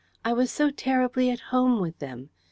I was so terribly at home with them.